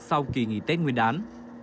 sau kỳ nghỉ tết nguyên đán